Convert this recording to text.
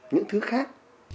những thứ khác